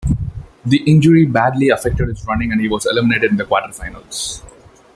The injury badly affected his running and he was eliminated in the quarter-finals.